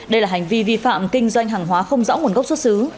đây là hành vi vi phạm kinh doanh hàng hóa không rõ nguồn gốc xuất xứ